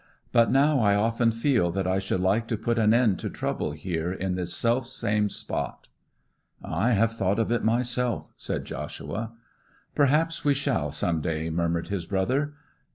But now I often feel that I should like to put an end to trouble here in this self same spot.' 'I have thought of it myself,' said Joshua. 'Perhaps we shall, some day,' murmured his brother.